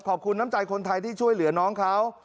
น้ำใจคนไทยที่ช่วยเหลือน้องเขา